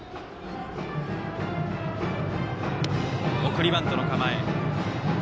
送りバントの構え。